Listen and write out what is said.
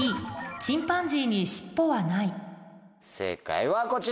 正解はこちら。